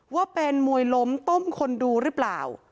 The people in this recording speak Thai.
ว่าเป็นมวยล้มต้มคนดูหรือเปล่า